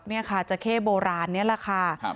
นี่ค่ะจราเข้โบราณนี้แหละค่ะ